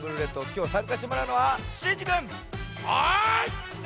きょうさんかしてもらうのはシンジくん！はいっ！